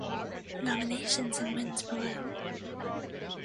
Nominations and wins below.